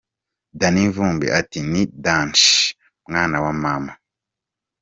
Danny Vumbi ati" Ni dangeeeeeehhhh mwana wa mama.